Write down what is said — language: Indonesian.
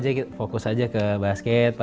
ya udah tau aja fokus aja ke basket pelatihan